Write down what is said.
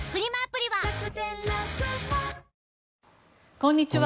こんにちは。